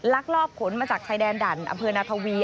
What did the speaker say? ลักลอบขนมาจากชายแดนดันอำเภอนาธวี